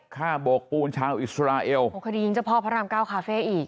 โบกปูนชาวอิสราเอลคดียิงเจ้าพ่อพระรามเก้าคาเฟ่อีก